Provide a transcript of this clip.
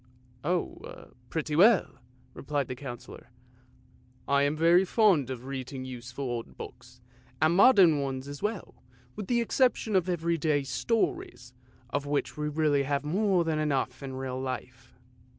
" Oh, pretty well," replied the Councillor. " I am very fond of reading useful old books and modern ones as well, with the exception of ' Everyday Stories,' x of which we really have more than enough in real life!